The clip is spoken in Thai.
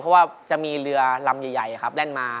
เพราะว่าจะมีเรือลำใหญ่แล่นมา